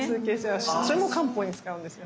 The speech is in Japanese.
それも漢方に使うんですよ。